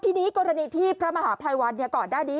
ทีนี้กรณีที่พระมหาภัยวันก่อนหน้านี้